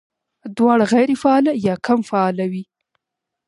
دواړه غېر فعاله يا کم فعاله وي